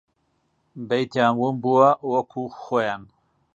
بەیتیان ون بووە وەکوو خۆیان